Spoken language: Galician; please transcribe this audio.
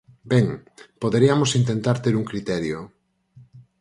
Ben, poderiamos intentar ter un criterio.